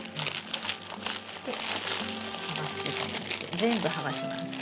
全部剥がします。